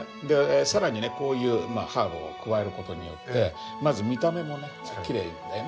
更にねこういうハーブを加える事によってまず見た目もねきれいだよね。